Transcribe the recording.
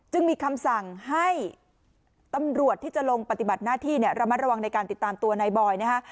จึงมีคำสั่งให้ตำรวจที่จะลงปฏิบัติหน้าที่เนี่ยระมัดระวังในการติดตามตัวนายบอยนะฮะ